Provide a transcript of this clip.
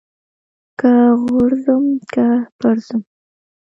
که غورځم که پرځم.